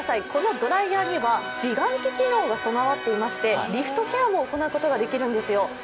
このドライヤーには美顔器機能が備わっていましてリフトケアも行うことができるんですよ。